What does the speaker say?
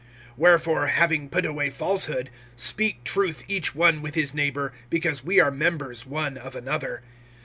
(25)Wherefore, having put away falsehood, speak truth each one with his neighbor; because we are members one of another.